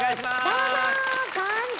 どうも！